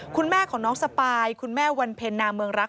คุณแม่ของน้องสปายคุณแม่วันเพ็ญนาเมืองรัก